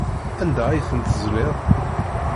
Anda ay ten-tezliḍ?